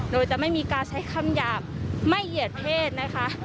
โดยจะไม่มีการใช้คำหยาบไม่เหยียดเพศนะคะ